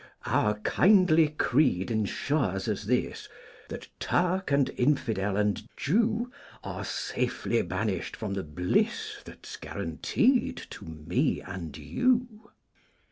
Our kindly creed ensures us this That Turk and infidel and Jew Are safely banished from the bliss That's guaranteed to me and you.